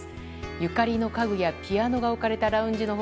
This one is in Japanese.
ゆかりの家具やピアノが置かれたラウンジの他